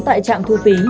tại trạng thu phí